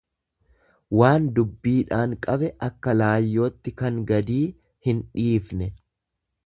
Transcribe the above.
waan dubbiidhaan qabe akka laayyootti kan gadii hindhiifne.